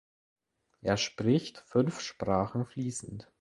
Er spricht fünf Sprachen fließend.